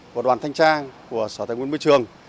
của đoàn thanh tra của sở thành quân môi trường